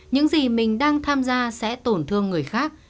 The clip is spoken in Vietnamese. những gì mình đang tham gia sẽ tổn thương người khác